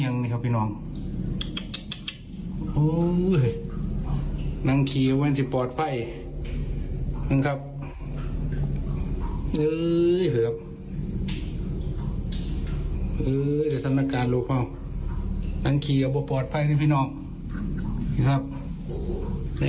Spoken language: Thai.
นี่คือรองนามโหล่วงตัวเนี่ยเด้อพี่น้องเฮ้ย